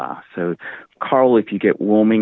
karang jika anda mendapatkan pembuatan